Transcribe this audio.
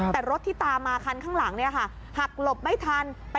แต่รถที่ตามมาคันข้างหลังเนี่ยค่ะ